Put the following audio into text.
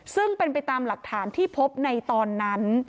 ซึ่งเป็นไปตามหลักฐานที่พบในตอนนั้น